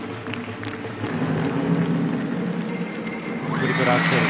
トリプルアクセル。